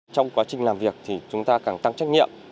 trong quá trình làm việc thì chúng ta càng tăng trách nhiệm